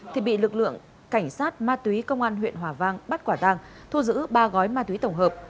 thì bị lực lượng cảnh sát ma túy công an huyện hòa vang bắt quả tang thu giữ ba gói ma túy tổng hợp